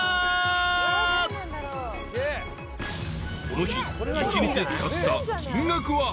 ［この日１日で使った金額は］